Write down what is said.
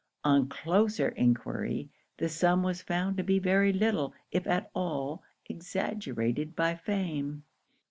On closer enquiry, the sum was found to be very little if at all exaggerated by fame.